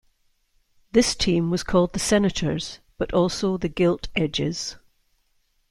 This team was called the Senators, but also the Gilt Edges.